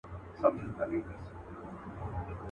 د ستورو په رڼا به رویباري کوو د میني.